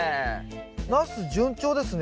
ナス順調ですね。